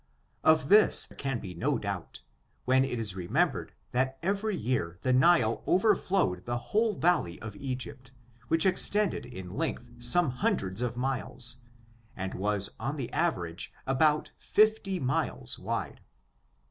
Of this there can be no doubt, when it is remembered, that every year the Nile overflowed the whole vale of Egypt, which extended in length some hundreds of miles, and was on an average about fifty miles wide.